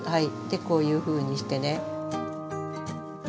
でこういうふうにしてね。